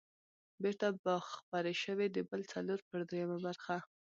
بېرته به خپرې شوې، د پل څلور پر درېمه برخه.